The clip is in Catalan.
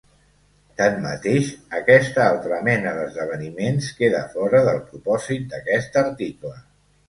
Tanmateix, aquesta altra mena d'esdeveniments queda fora del propòsit d'aquest article.